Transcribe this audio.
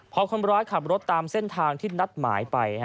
พอคนร้ายขับรถตามเส้นทางที่นัดหมายไป